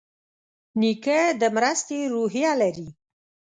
نیکه د مرستې روحیه لري.